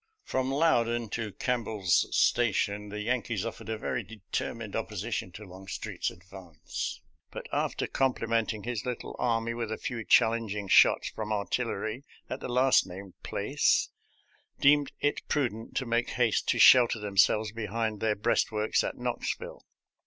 From Loudon to Campbell's Station the Yan kees offered a very determined opposition to Longstreet's advance, but after complimenting his little army with a few challenging shots from artillery at the last named place, deemed it pru dent to make haste to shelter themselves behind their breastworks at Knoxville.